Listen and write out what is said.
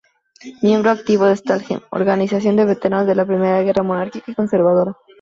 Miembro activo del Stahlhelm, organización de veteranos de la Primera Guerra monárquica y conservadora.